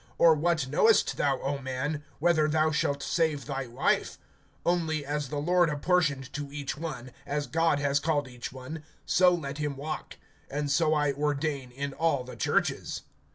Or what knowest thou, O man, whether thou shalt save thy wife? (17)Only, as the Lord apportioned to each one, as God has called each one, so let him walk. And so I ordain in all the churches.